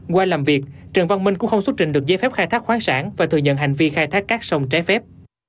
qua làm việc trần văn minh cũng không xuất trình được giấy phép khai thác khoáng sản và thừa nhận hành vi khai thác cát sông trái phép